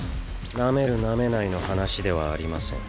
なめるなめないの話ではありません。